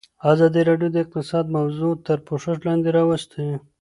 ازادي راډیو د اقتصاد موضوع تر پوښښ لاندې راوستې.